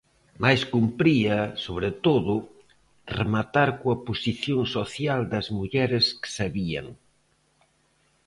Mais cumpría, sobre todo, rematar coa posición social das mulleres que sabían.